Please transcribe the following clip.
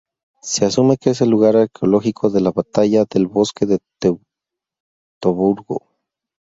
Se asume que es el lugar arqueológico de la batalla del bosque de Teutoburgo.